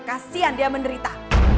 kasian dia menderita